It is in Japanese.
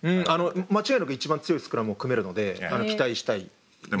間違いなく一番強いスクラムを組めるので期待したいです。